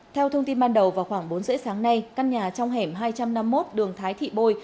theo thông tin ban đầu vào khoảng bốn rưỡi sáng nay căn nhà trong hẻm hai trăm năm mươi một đường thái thị bôi